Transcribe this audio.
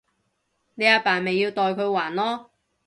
你阿爸咪要代佢還囉